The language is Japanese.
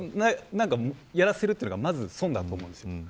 それをやらせるというのが損だと思うんです。